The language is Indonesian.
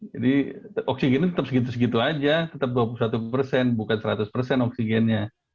jadi oksigennya tetap segitu segitu aja tetap dua puluh satu persen bukan seratus persen oksigennya